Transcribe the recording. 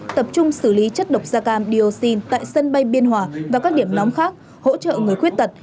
tập trung xử lý chất độc da cam dioxin tại sân bay biên hòa và các điểm nóng khác hỗ trợ người khuyết tật